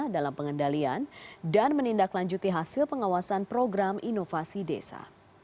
dalam pengendalian dan menindaklanjuti hasil pengawasan program inovasi desa